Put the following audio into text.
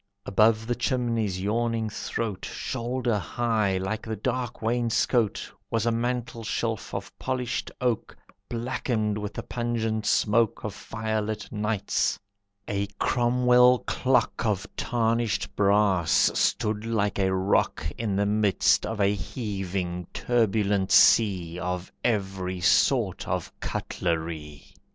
Above the chimney's yawning throat, Shoulder high, like the dark wainscote, Was a mantelshelf of polished oak Blackened with the pungent smoke Of firelit nights; a Cromwell clock Of tarnished brass stood like a rock In the midst of a heaving, turbulent sea Of every sort of cutlery.